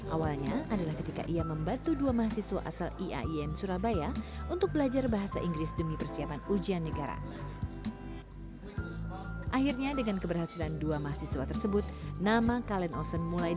awalnya adalah ketika ia membantu dua mahasiswa asli